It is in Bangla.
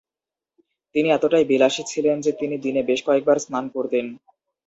তিনি এতটাই বিলাসী ছিলেন যে, তিনি দিনে বেশ কয়েক বার স্নান করতেন।